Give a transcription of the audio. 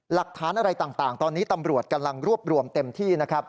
หลักฐานอะไรต่างตอนนี้ตำรวจกำลังรวบรวมเต็มที่นะครับ